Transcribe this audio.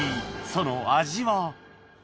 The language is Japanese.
その味は？